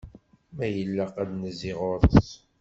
Ma ilaq ad nezzi ɣur-s.